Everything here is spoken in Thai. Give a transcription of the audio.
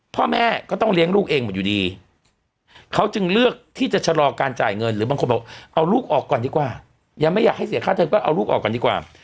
พ่อแม่ก็ต้องเลี้ยงลูกเองหมดอยู่ดีเขาจึงเลือกที่จะชะลอการจ่ายเงินหรือบางคนบอกเอาลูกออกก่อนดีกว่ายังไม่อยากให้เสียค่าเธอก็เอาลูกออกก่อนดีกว่า